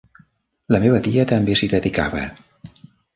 La meva tia també s'hi dedicava.